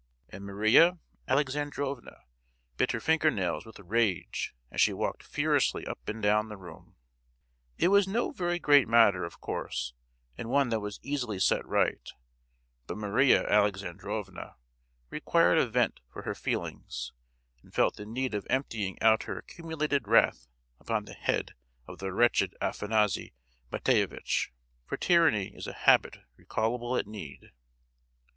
And Maria Alexandrovna bit her finger nails with rage as she walked furiously up and down the room. It was no very great matter, of course; and one that was easily set right; but Maria Alexandrovna required a vent for her feelings and felt the need of emptying out her accumulated wrath upon the head of the wretched Afanassy Matveyevitch; for tyranny is a habit recallable at need.